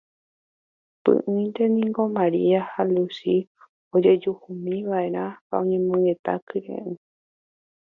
Py'ỹinte niko Maria ha Luchi ojojuhúmiva'erã ha oñomongeta kyre'ỹ.